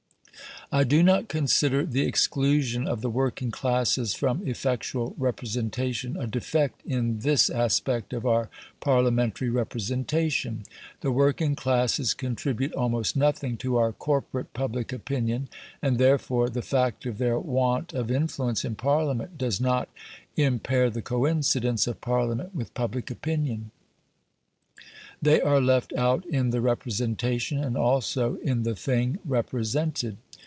I do not consider the exclusion of the working classes from effectual representation a defect in THIS aspect of our Parliamentary representation. The working classes contribute almost nothing to our corporate public opinion, and therefore, the fact of their want of influence in Parliament does not impair the coincidence of Parliament with public opinion. They are left out in the representation, and also in the thing represented.